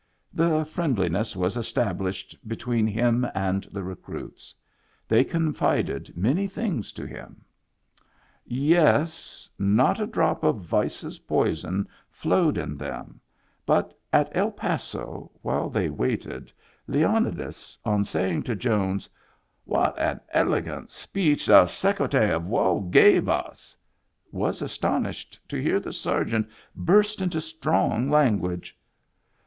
And friendliness was established be tween him and the recruits. They confided many things to him. Yes; not a drop of vice's poison flowed in them, but at El Pas#, while they waited, Leonidas, on saying to Jones, " What an elegant speech the Secretary of War gave us !" was astonished to hear the sergeant burst into strong language.